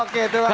oke terima kasih